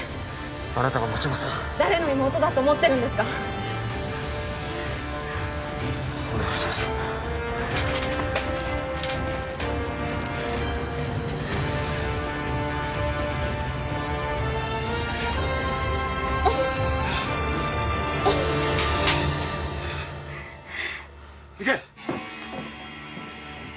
あなたがもちません誰の妹だと思ってるんですかお願いしますいけ！